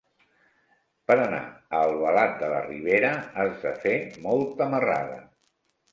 Per anar a Albalat de la Ribera has de fer molta marrada.